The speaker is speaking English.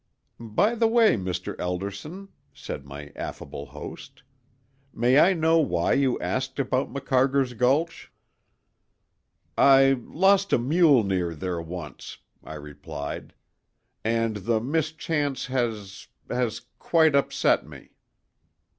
"By the way, Mr. Elderson," said my affable host, "may I know why you asked about 'Macarger's Gulch'?" "I lost a mule near there once," I replied, "and the mischance has—has quite—upset me."